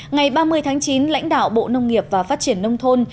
ngày ba mươi tháng chín lãnh đạo bộ nông nghiệp và phát triển nông thôn